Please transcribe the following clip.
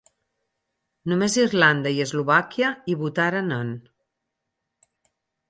Només Irlanda i Eslovàquia hi votaren en.